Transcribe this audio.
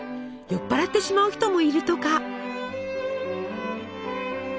酔っ払ってしまう人もいるとか。